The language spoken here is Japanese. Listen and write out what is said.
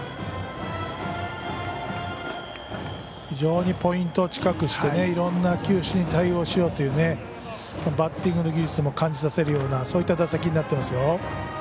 非常にポイントを近くしていろんな球種に対応しようというバッティングの技術も感じさせるようなそういった打席になっていますよ。